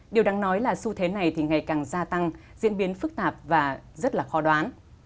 điều đáng nói là xu thế này thì ngày càng gia tăng diễn biến phức tạp và rất là khó đoán